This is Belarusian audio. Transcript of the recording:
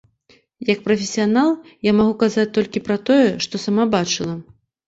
Як прафесіянал, я магу казаць толькі пра тое, што сама бачыла.